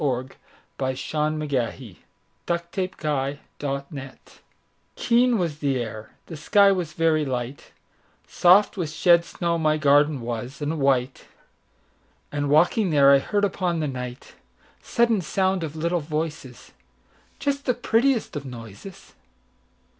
Philip Bourke Marston 1850–87 Garden Fairies KEEN was the air, the sky was very light, Soft with shed snow my garden was, and white, And, walking there, I heard upon the nightSudden sound of little voices, Just the prettiest of noises.